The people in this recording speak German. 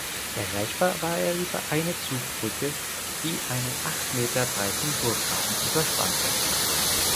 Erreichbar war er über eine Zugbrücke, die einen acht Meter breiten Burggraben überspannte.